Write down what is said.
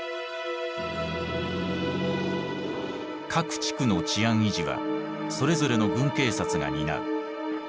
各地区の治安維持はそれぞれの軍警察が担う。